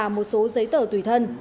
từ tờ tùy thân